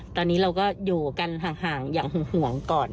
ตอนนี้เราก็อยู่กันห่างอย่างห่วงก่อน